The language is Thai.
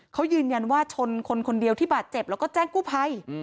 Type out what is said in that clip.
เขายืนยันว่าชนคนคนเดียวที่บาดเจ็บแล้วก็แจ้งกู้ภัย